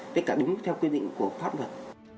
tất cả đúng theo quy định của pháp luật